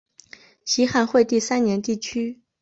西汉惠帝三年地区。